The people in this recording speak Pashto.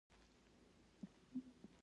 جرمني لوی ټانکونه او پرمختللي وسایل جوړ کړل